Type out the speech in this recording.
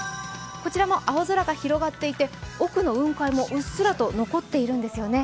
こちらも青空が広がっていて、奥の雲海もうっすらと残っているんですよね。